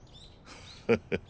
フッ。